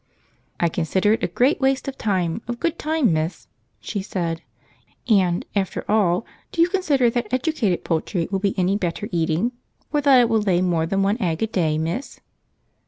"I consider it a great waste of time, of good time, miss," she said; "and, after all, do you consider that educated poultry will be any better eating, or that it will lay more than one egg a day, miss?"